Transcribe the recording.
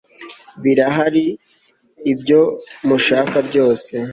birahari ibyo mushaka byose